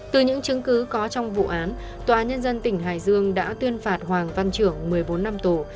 từ những chứng cứ có trong vụ án tòa nhân dân tỉnh hải dương đã tuyên phạt hoàng văn trưởng một mươi bốn năm tù